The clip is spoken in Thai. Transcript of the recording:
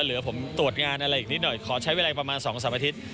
เหลือผมตรวจงานอะไรอีกนิดหน่อยขอใช้เวลาประมาณ๒๓อาทิตย์